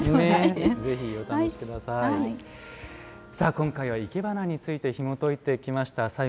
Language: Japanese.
今回は「いけばな」についてひもといてきました。